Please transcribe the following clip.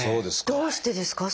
どうしてですか？